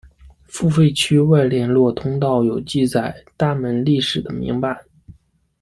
付费区外联络通道有记载大门历史的铭版。